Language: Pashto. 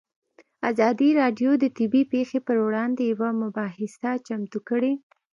ازادي راډیو د طبیعي پېښې پر وړاندې یوه مباحثه چمتو کړې.